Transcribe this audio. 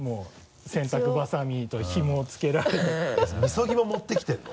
禊ぎも持ってきてるの？